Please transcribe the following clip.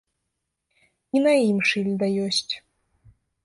І на ім шыльда ёсць.